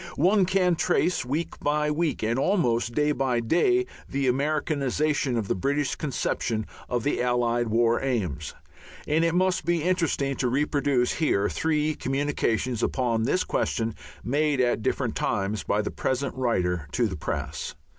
One can trace week by week and almost day by day the Americanization of the British conception of the Allied War Aims. It may be interesting to reproduce here three communications upon this question made at different times by the present writer to the press.